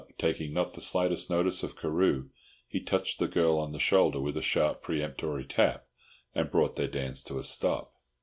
Taking not the slightest notice of Carew, he touched the girl on the shoulder with a sharp peremptory tap, and brought their dance to a stop.